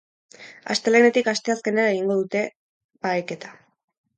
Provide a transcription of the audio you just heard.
Astelehenetik asteazkenera egingo dute baheketa.